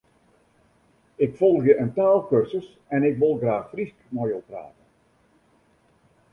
Ik folgje in taalkursus en ik wol graach Frysk mei jo prate.